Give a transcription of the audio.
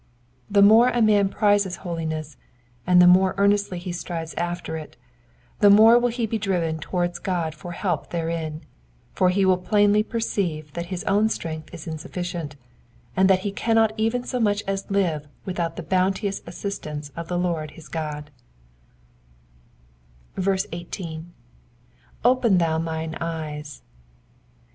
The more a man prizes holiness apd the more earnestly he strives after it, the more will he be driven towards God for help therein, for he will plainly perceive that his own strength is insufficient, and that he cannot even so much as live without the lK>unteous assistance of the Lord his God. 18. *'*'Open thou mine eyes.'